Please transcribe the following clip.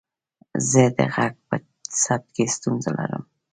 زه د غږ په ثبت کې ستونزه لرم.